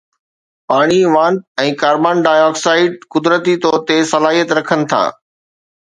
پاڻي وانپ ۽ carbon dioxide قدرتي طور تي صلاحيت رکن ٿا